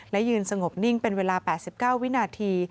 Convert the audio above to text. และยืนสงบนิ่งเป็นเวลา๘๙วินาที